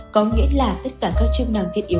có nghĩa là tất cả các chức năng thiết yếu